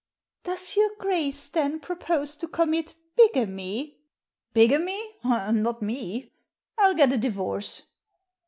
" Does your Grace, then, propose to commit bigamy?*' "Bigamy? Not me! Ill get a divorce."